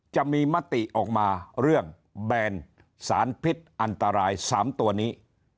จะมีมติออกมาเรื่องแบนสารพิษอันตราย๓ตัวนี้